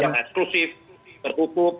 untuk kualisinya eksklusif tertutup